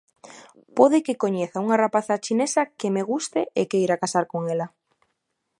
Pode que coñeza unha rapaza chinesa que me guste e queira casar con ela.